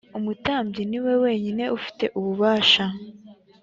umutambyi niwe wenyine ufite ububasha.